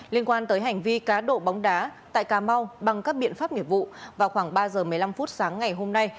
liên quan tới hành vi cá độ bóng đá tại cà mau bằng các biện pháp nghiệp vụ vào khoảng ba giờ một mươi năm phút sáng ngày hôm nay